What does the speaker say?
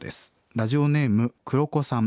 ラジオネームクロコさん。